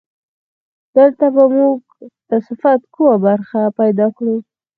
دلته به موږ د صفت کومه خبره پیدا کړو.